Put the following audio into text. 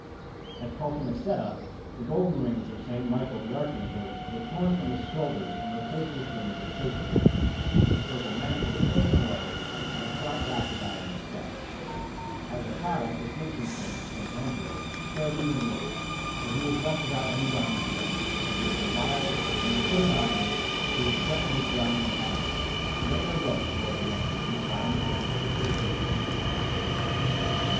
At Caltanisetta the golden wings of St. Michael the Archangel were torn from his shoulders and replaced with wings of pasteboard; his purple mantle was taken away and a clout wrapt about him instead. At Licata the patron saint, St. Angelo, fared even worse, for he was left without any garments at all; he was reviled, he was put in irons, he was threatened with drowning or hanging. "Rain or the rope!" roared the angry people at him, as they shook their fists in his face.